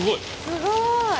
すごい。